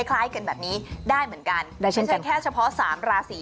คล้ายกันแบบนี้ได้เหมือนกันไม่ใช่แค่เฉพาะสามราศี